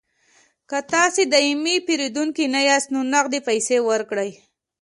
که تاسې دایمي پیرودونکي نه یاست نو نغدې پیسې ورکړئ